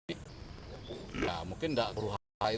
ya mungkin huru haram itu mungkin tidak berhasil